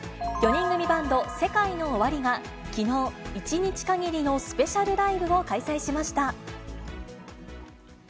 ４人組バンド、セカイノオワリが、きのう、１日限りのスペシャルライブを開催しました。